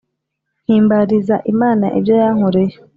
mpimbariza imana ibyo yankoreye